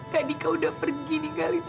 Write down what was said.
kak dika udah pergi ninggalin aku